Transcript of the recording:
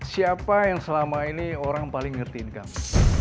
siapa yang selama ini orang paling ngertiin kamu